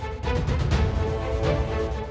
udah menjaga beautiful